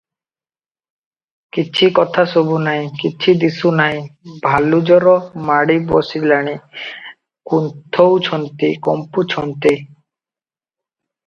କିଛି କଥା ଶୁଭୁ ନାହିଁ; କିଛି ଦିଶୁ ନାହିଁ, ଭାଲୁଜର ମାଡ଼ି ବସିଲାଣି, କୁନ୍ଥୋଉଛନ୍ତି, କମ୍ପୁଛନ୍ତି ।